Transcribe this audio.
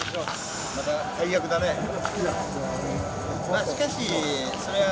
まあしかしそりゃ。